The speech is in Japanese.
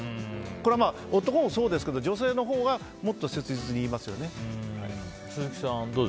これは男もそうですけど女性のほうはもっと切実に言いますよね。